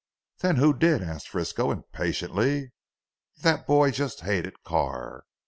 "Then who did?" asked Frisco impatiently, "that boy just hated Carr.